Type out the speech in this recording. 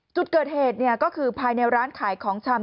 จุดเกิดเหตุก็คือภายในร้านขายของชำ